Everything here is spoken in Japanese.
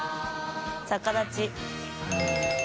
逆立ち。